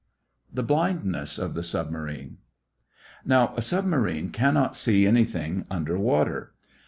THE BLINDNESS OF THE SUBMARINE Now, a submarine cannot see anything underwater.